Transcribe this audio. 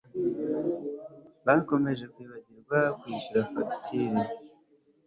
Bakomeje kwibagirwa kwishyura fagitire